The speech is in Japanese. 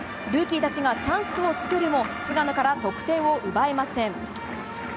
ルーキーたちがチャンスを作るも菅野から得点を奪えません。